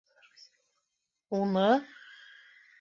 Уны...